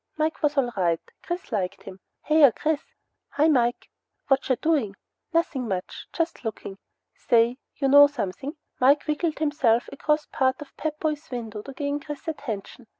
Mike was all right. Chris liked him. "Hya, Chris!" "Hi, Mike!" "Whatcha doin'?" "Nothin' much. Just looking." "Say you know sumthin'?" Mike wiggled himself across part of the Pep Boys' window to gain Chris's attention.